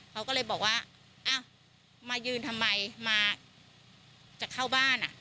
เขาก็เลยบอกว่าอ้าวมายืนทำไมมาจะเข้าบ้านอ่ะ